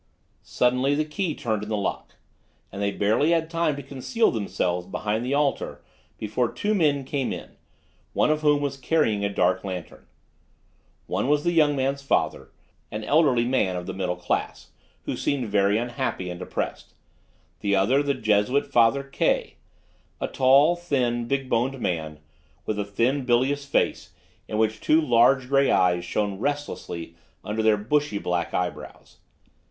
Suddenly, the key turned in the lock, and they barely had time to conceal themselves behind the altar before two men came in, one of whom was carrying a dark lantern. One was the young man's father, an elderly man of the middle class, who seemed very unhappy and depressed, the other the Jesuit father K , a tall, thin, big boned man, with a thin, bilious face, in which two large gray eyes shone restlessly under their bushy black eyebrows.